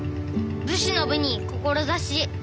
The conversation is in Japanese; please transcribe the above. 武士の「武」に志。